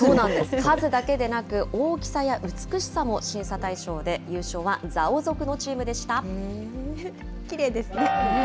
数だけでなく、大きさや美しさも審査対象で、きれいですね。